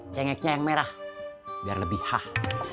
cengeknya yang merah biar lebih hah